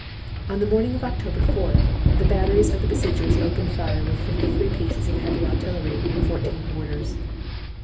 On the morning of October 4 the batteries of the besiegers opened fire with fifty three pieces of heavy artillery and fourteen mortars.